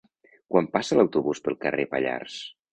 Quan passa l'autobús pel carrer Pallars?